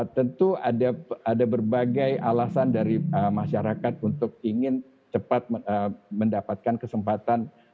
tentu ada berbagai alasan dari masyarakat untuk ingin cepat mendapatkan kesempatan